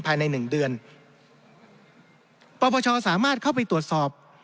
ประประชาสามารถเข้าไปตรวจสอบ